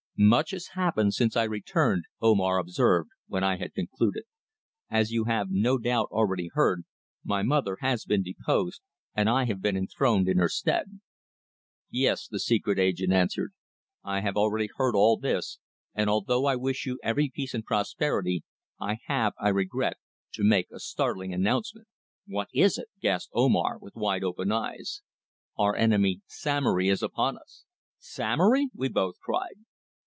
"Much has happened since I returned," Omar observed, when I had concluded. "As you have no doubt already heard, my mother has been deposed, and I have been enthroned in her stead." "Yes," the secret agent answered. "I have already heard all this, and although I wish you every peace and prosperity, I have, I regret, to make a startling announcement." "What is it?" gasped Omar, with wide open eyes. "Our enemy, Samory, is upon us!" "Samory!" we both cried.